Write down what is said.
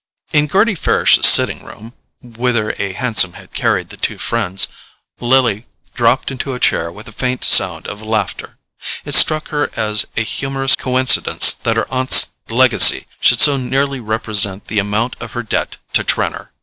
In Gerty Farish's sitting room, whither a hansom had carried the two friends, Lily dropped into a chair with a faint sound of laughter: it struck her as a humorous coincidence that her aunt's legacy should so nearly represent the amount of her debt to Trenor.